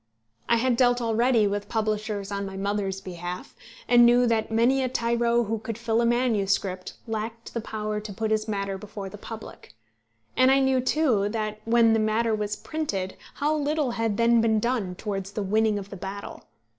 I had dealt already with publishers on my mother's behalf, and knew that many a tyro who could fill a manuscript lacked the power to put his matter before the public; and I knew, too, that when the matter was printed, how little had then been done towards the winning of the battle!